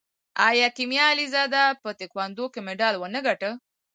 آیا کیمیا علیزاده په تکواندو کې مډال ونه ګټه؟